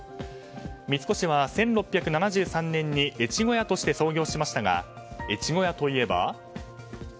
三越は１６７３年に越後屋として創業しましたが越後屋といえば。